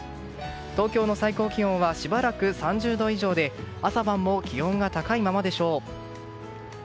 東京の最高気温はしばらく３０度以上で朝晩も気温が高いままでしょう。